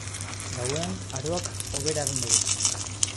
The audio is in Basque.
Gauean, aroak hobera egingo du.